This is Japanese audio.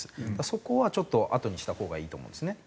そこはちょっとあとにしたほうがいいと思うんですね。